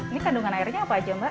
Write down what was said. ini kandungan airnya apa aja mbak